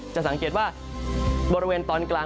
จะสังเกตว่าบริเวณตอนกลาง